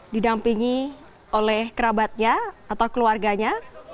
didampingi oleh kerabatnya atau keluarganya